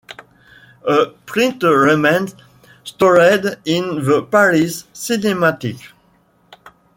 A print remains stored in the Paris Cinematheque.